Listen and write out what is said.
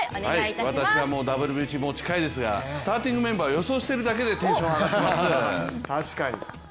私はもうＷＢＣも近いですがスターティングメンバー予想しているだけでテンション上がってます！